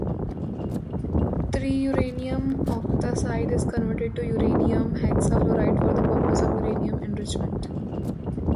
Triuranium octoxide is converted to uranium hexafluoride for the purpose of uranium enrichment.